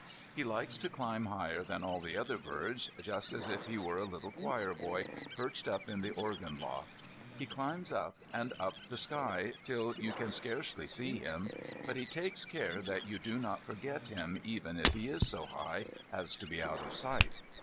He likes to climb higher than all the other birds, just as if he were a little choir boy perched up in the organ loft. He climbs up and up the sky till you can scarcely see him, but he takes care that you do not forget him even if he is so high as to be out of sight.